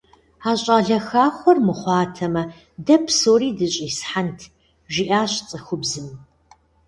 А щӀалэ хахуэр мыхъуатэмэ, дэ псори дыщӀисхьэнт, - жиӀащ цӀыхубзым.